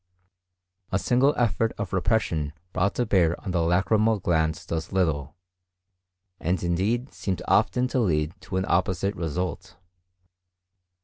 A single effort of repression brought to bear on the lacrymal glands does little, and indeed seems often to lead to an opposite result.